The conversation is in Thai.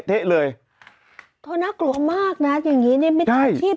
เธอเป็นมิสัจชิ้นไทป์หรือไง